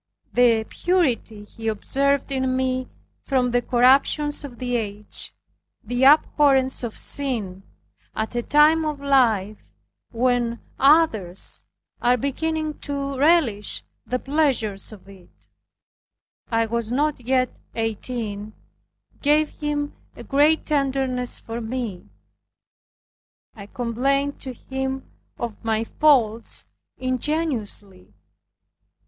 The purity he observed in me from the corruptions of the age, the abhorrence of sin at a time of life when others are beginning to relish the pleasures of it, (I was not yet eighteen), gave him a great tenderness for me. I complained to him of my faults ingenuously.